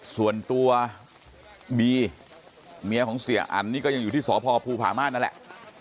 ส่วนตัวบีเมียของเสียอันนี่ก็ยังอยู่ที่สพภูผาม่านนั่นแหละ